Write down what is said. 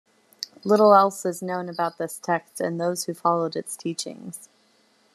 Little else is known about this text and those who followed its teachings.